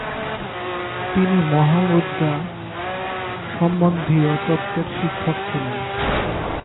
তিনি মহামুদ্রা সন্বন্ধীয় তত্ত্বের শিক্ষক ছিলেন।